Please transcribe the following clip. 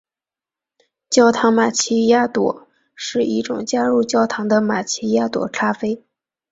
焦糖玛琪雅朵是一种加入焦糖的玛琪雅朵咖啡。